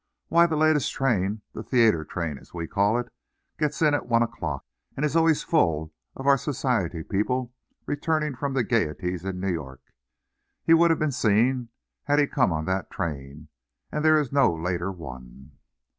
Why, the latest train the theatre train, as we call it gets in at one o'clock, and it's always full of our society people returning from gayeties in New York. He would have been seen had he come on that train, and there is no later one."